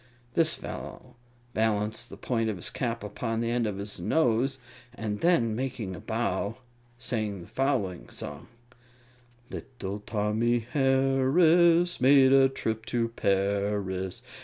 This fellow balanced the point of his cap upon the end of his nose, and then, making a bow, sang the following song: Little Tommy Harris Made a trip to Paris.